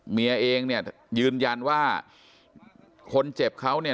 เมียเองเนี่ยยืนยันว่าคนเจ็บเขาเนี่ย